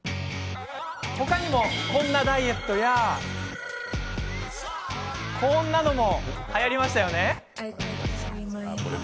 他にも、こんなダイエットやこんなのも、はやりましたよね。